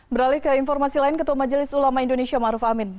beralih ke informasi lain ketua majelis ulama indonesia maruf amin